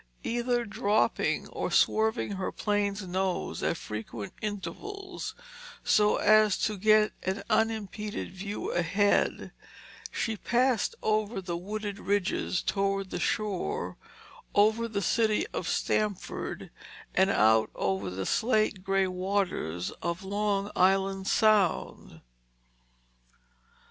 Either dropping or swerving her plane's nose at frequent intervals so as to get an unimpeded view ahead, she passed over the wooded ridges toward the shore, over the city of Stamford and out over the slate grey waters of Long Island Sound.